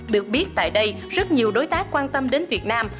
được biết tại đây rất nhiều đối tác quan tâm đến việt nam